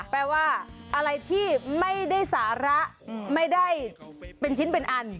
แปลว่าอะไรที่ไม่ได้สาระไม่ได้เป็นชิ้นเป็นอัน